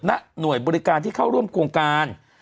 ณหน่วยบริการที่เข้าร่วมโครงการ